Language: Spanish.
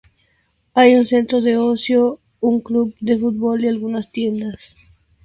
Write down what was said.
Hay un centro de ocio, un club de fútbol y algunas tiendas.